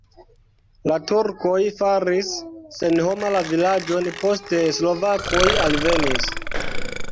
La turkoj faris senhoma la vilaĝon, poste slovakoj alvenis.